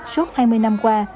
suốt hai mươi năm qua